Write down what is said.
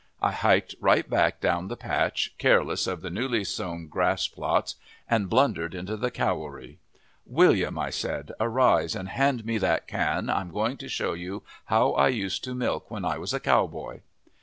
I hiked right back down the patch, careless of the newly sown grass plots, and blundered into the cowary. "William," I said, "arise and hand me that can! I'm going to show you how I used to milk when I was a cowboy!"